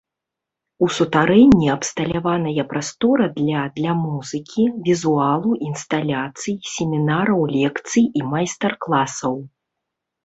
У сутарэнні абсталяваная прастора для для музыкі, візуалу, інсталяцый, семінараў, лекцый і майстар-класаў.